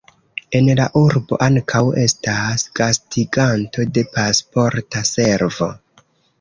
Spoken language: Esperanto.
En la urbo ankaŭ estas gastiganto de Pasporta Servo.